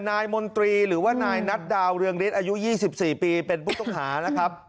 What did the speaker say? นายมนตรีหรือว่านายนัดดาวเรืองฤทธิ์อายุ๒๔ปีเป็นผู้ต้องหานะครับ